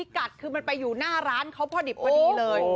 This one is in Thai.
กัดคือมันไปอยู่หน้าร้านเขาพอดิบพอดีเลย